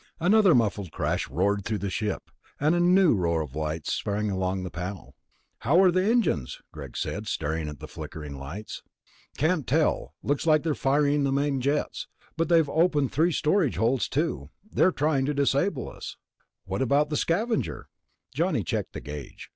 Another muffled crash roared through the ship, and a new row of lights sprang on along the panel. "How are the engines?" Greg said, staring at the flickering lights. "Can't tell. Looks like they're firing at the main jets, but they've ripped open three storage holds, too. They're trying to disable us...." "What about the Scavenger?" Johnny checked a gauge.